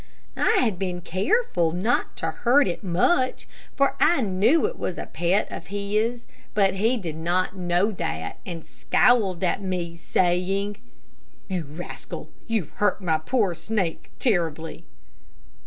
I had been careful not to hurt it much, for I knew it was a pet of his; but he did not know that, and scowled at me, saying: "You rascal; you've hurt my poor snake terribly."